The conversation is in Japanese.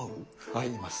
合います！